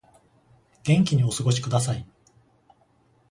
元気にお過ごしください